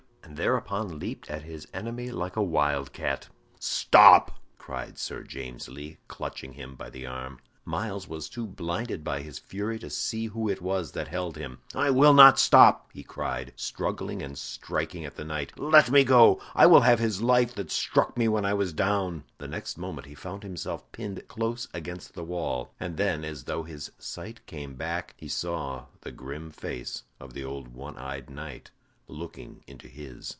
and thereupon leaped at his enemy like a wild cat. "Stop!" cried Sir James Lee, clutching him by the arm. Myles was too blinded by his fury to see who it was that held him. "I will not stop!" he cried, struggling and striking at the knight. "Let me go! I will have his life that struck me when I was down!" The next moment he found himself pinned close against the wall, and then, as though his sight came back, he saw the grim face of the old one eyed knight looking into his.